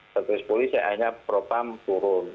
kasus polisi hanya beropam turun